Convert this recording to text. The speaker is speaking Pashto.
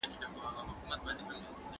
هغوی خپل وزن نورمال ساتي.